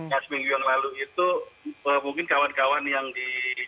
yang seminggu yang lalu itu mungkin kawan kawan yang di